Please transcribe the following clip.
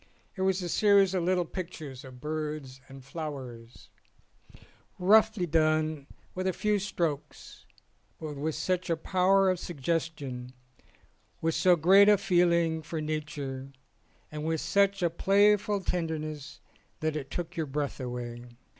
It was a series of little pictures of birds and flowers, 25 ON A CHINESE SCEEEN roughly done with a few strokes, but with such a power of suggestion, with so great a feeling for nature and such a playful tenderness, that it took your breath away.